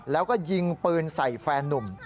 แล้วก็ยิงปืนใส่แฟนนุ่ม